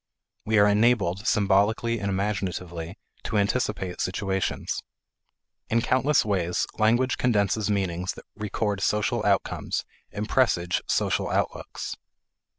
We are enabled, symbolically and imaginatively, to anticipate situations. In countless ways, language condenses meanings that record social outcomes and presage social outlooks.